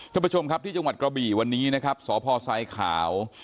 ท่านผู้ชมครับที่จังหวัดกระบี่วันนี้นะครับสพทรายขาว